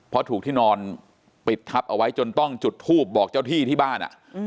เพราะถูกที่นอนปิดทับเอาไว้จนต้องจุดทูบบอกเจ้าที่ที่บ้าน